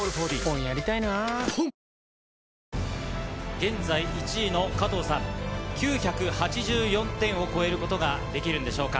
現在１位の加藤さん９８４点を超えることができるでしょうか？